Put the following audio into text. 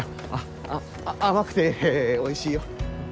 あ甘くておいしいよ。